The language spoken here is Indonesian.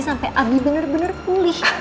sampai abi bener bener pulih